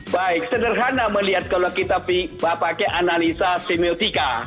baik sederhana melihat kalau kita pakai analisa semiotika